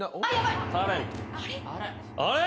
あれ？